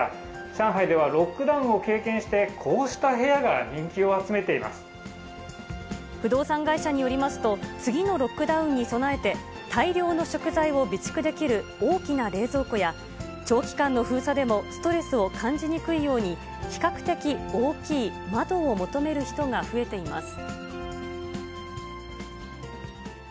上海ではロックダウンを経験して、こうした部屋が人気を集めていま不動産会社によりますと、次のロックダウンに備えて、大量の食材を備蓄できる大きな冷蔵庫や、長期間の封鎖でもストレスを感じにくいように、比較的大きい窓を求める人が増えています。